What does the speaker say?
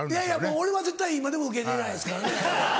俺は絶対今でも受け入れないですからね。